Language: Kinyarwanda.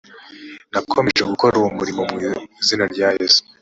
nakomeje gukora uwo murimo mu izina rya yesu